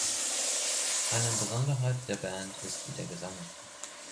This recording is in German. Eine Besonderheit der Band ist der Gesang.